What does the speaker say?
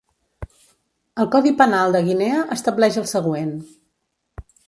El Codi Penal de Guinea estableix el següent.